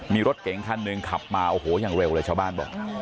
มีรถเก๋งคันหนึ่งขับมาโอ้โหอย่างเร็วเลยชาวบ้านบอก